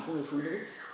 của người phụ nữ